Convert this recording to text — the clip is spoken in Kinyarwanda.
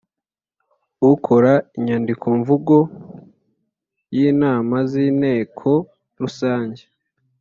ukora inyandikomvugo y inama z Inteko Rusange